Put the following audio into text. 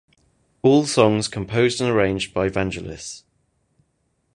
All songs composed and arranged by Vangelis.